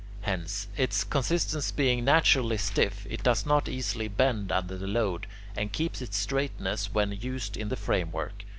Hence, its consistence being naturally stiff, it does not easily bend under the load, and keeps its straightness when used in the framework.